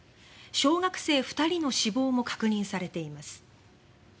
小学生２人の死亡も確認されています。